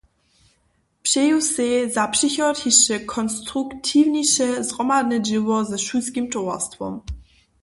Přeju sej za přichod hišće konstruktiwniše zhromadne dźěło ze Šulskim towarstwom.